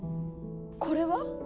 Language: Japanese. これは？